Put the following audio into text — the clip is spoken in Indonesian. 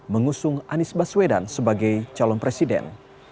mengusung anies baswedan sebagai calon presiden